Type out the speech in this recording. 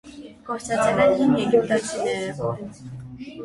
Գործածել են հին եգիպտացիները։